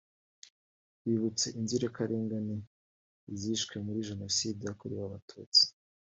bibutse inzirakarengane zishwe muri Jenoside yakorewe Abatutsi